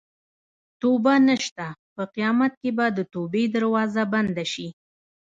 توبه نشته په قیامت کې به د توبې دروازه بنده شي.